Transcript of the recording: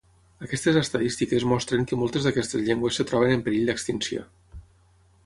Aquestes estadístiques mostren que moltes d'aquestes llengües es troben en perill d'extinció.